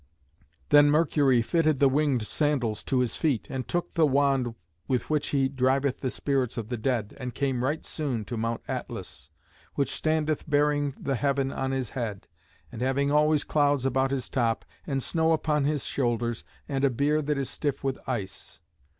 '" Then Mercury fitted the winged sandals to his feet, and took the wand with which he driveth the spirits of the dead, and came right soon to Mount Atlas, which standeth bearing the heaven on his head, and having always clouds about his top, and snow upon his shoulders, and a beard that is stiff with ice.